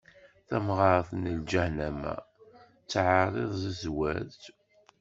Tamɣaṛt n lǧahennama, tettɛeṛṛiḍ zzwaǧ.